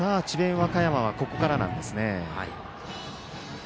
和歌山はここからなんですね。